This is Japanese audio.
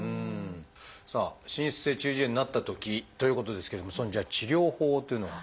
さあ滲出性中耳炎になったときということですけれどもそのじゃあ治療法というのは？